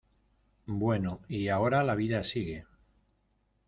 bueno, y ahora la vida sigue.